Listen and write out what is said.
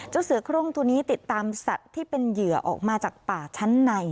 เสือโครงตัวนี้ติดตามสัตว์ที่เป็นเหยื่อออกมาจากป่าชั้นใน